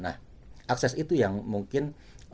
nah akses itu yang mungkin